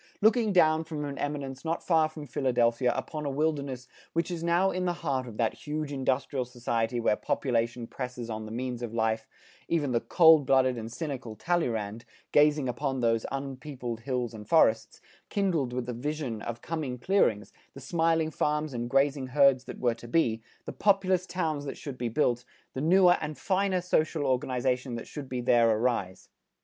Looking down from an eminence not far from Philadelphia upon a wilderness which is now in the heart of that huge industrial society where population presses on the means of life, even the cold blooded and cynical Talleyrand, gazing on those unpeopled hills and forests, kindled with the vision of coming clearings, the smiling farms and grazing herds that were to be, the populous towns that should be built, the newer and finer social organization that should there arise.